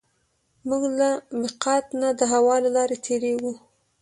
موږ له مېقات نه د هوا له لارې تېرېږو.